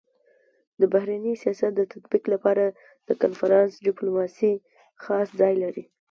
د بهرني سیاست د تطبيق لپاره د کنفرانس ډيپلوماسي خاص ځای لري.